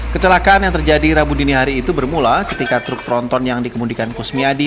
kecelakaan yang terjadi rabu dini hari itu bermula ketika truk tronton yang dikemudikan kusmiadi